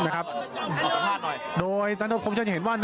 ขอสัมภาษณ์ก่อนขอสัมภาษณ์หน่อย